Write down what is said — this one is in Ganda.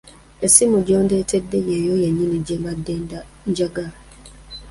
Essimu gy'ondeetedde yeyo yennyini gye mbadde njagala.